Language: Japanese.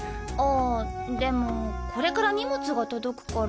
あでもこれから荷物が届くから。